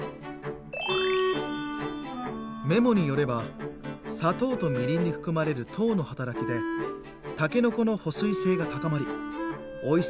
メモによれば「砂糖とみりんに含まれる糖の働きでたけのこの保水性が高まりおいしさを保つことができる」。